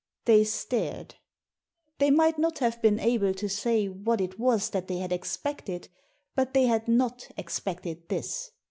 They stared. They might not have been able to say what it was that they had expected, but they bad not expected this.